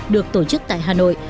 được tổ chức tại hà nội